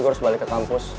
gue harus balik ke kampus